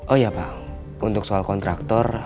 oh iya pak untuk soal kontraktor